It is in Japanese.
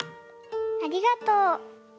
ありがとう。